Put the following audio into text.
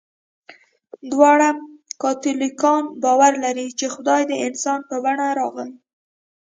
دواړه کاتولیکان باور لري، چې خدای د انسان په بڼه راغی.